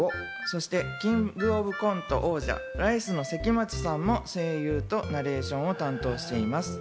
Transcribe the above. そして、キングオブコント王者・ライスの関町さんも声優とナレーションを担当しています。